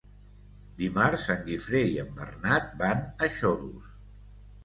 Dimarts en Guifré i en Bernat van a Xodos.